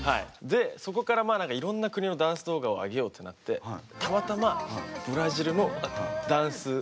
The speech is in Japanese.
でそこからいろんな国のダンス動画をあげようってなってたまたまブラジルのダンス動画をあげたんですよ。